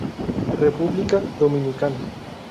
República Dominicana.